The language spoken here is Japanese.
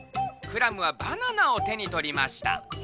クラムはバナナをてにとりました。